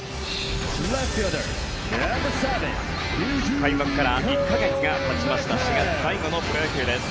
開幕から１か月がたちました４月最後のプロ野球です。